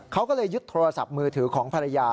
เขาก็เลยยึดโทรศัพท์มือถือของภรรยา